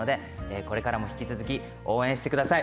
これからも応援してください。